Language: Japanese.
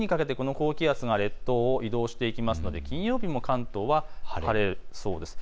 金曜日にかけてこの高気圧が列島を移動していきますので金曜日も関東は晴れる予想です。